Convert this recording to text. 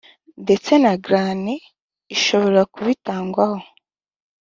ndetse na garanti ishobora kubitangwaho